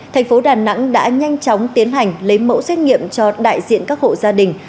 thành phố đà nẵng đã nhanh chóng tiến hành lấy mẫu xét nghiệm cho đại diện các hộ gia đình